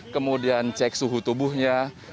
kemudian cek suhu tubuhnya